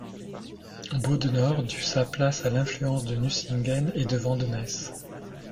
Beaudenord dut sa place à l’influence de Nucingen et de Vandenesse.